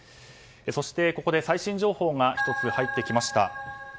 そしてここで最新情報が１つ入ってきました。